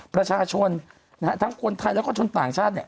ประชาชนนะฮะทั้งคนไทยแล้วก็ชนต่างชาติเนี่ย